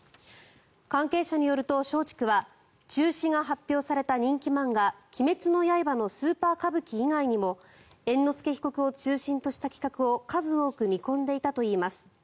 関係者によると、松竹は中止が発表された人気漫画「鬼滅の刃」のスーパー歌舞伎以外にも猿之助被告を中心とした企画を数多く見込んでいたといいます。